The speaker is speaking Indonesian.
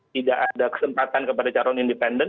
tidak ada kesempatan kepada calon independen